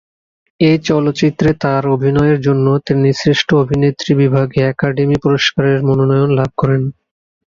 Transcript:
এই চলচ্চিত্রে তার অভিনয়ের জন্য তিনি শ্রেষ্ঠ অভিনেত্রী বিভাগে একাডেমি পুরস্কারের মনোনয়ন লাভ করেন।